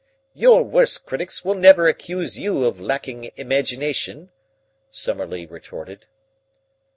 "Your worst critics will never accuse you of lacking imagination," Summerlee retorted.